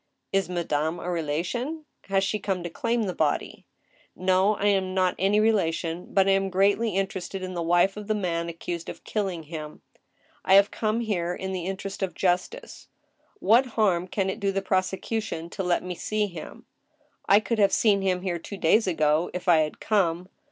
" Is madame a relation ?... Has she come to claim the body ?"" No, I am not any relation, but I am greatly interested in the wife of the man accused of killing him. ... I have come here in the interest of justice. What harm can it do the prosecution to let me see him ?... I could have seen him here two days ago, if I had come.